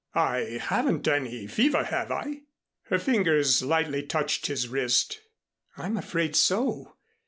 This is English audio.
"I haven't any fever, have I?" Her fingers lightly touched his wrist. "I'm afraid so.